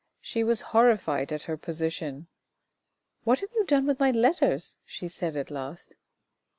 She was horrified at her position. " What have you done with my letters ?" she said at last.